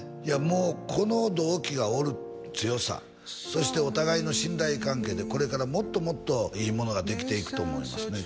もうこの同期がおる強さそしてお互いの信頼関係でこれからもっともっといいものができていくと思いますね